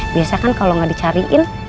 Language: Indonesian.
biasa kan kalau gak dicariin